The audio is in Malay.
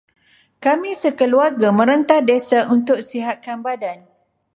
Kami sekeluarga merentas desa untuk sihatkan badan.